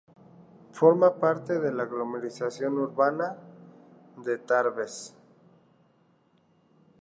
Forma parte de la aglomeración urbana de Tarbes.